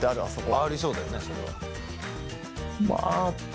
ありそうだよねそれは。